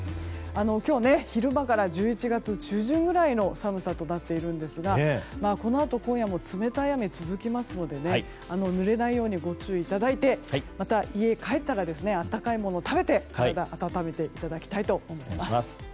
今日、昼間から１１月中旬くらいの寒さとなっているんですがこのあと今夜も冷たい雨が続きますのでぬれないようにご注意いただいてまた家に帰ったら温かいものを食べて体を温めていただきたいと思います。